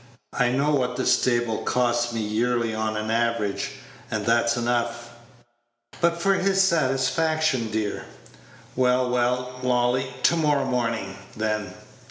I know what the stable costs me yearly on an average, and that's enough." "But for his satisfaction, dear." "Well, well, Lolly, to morrow morning, then."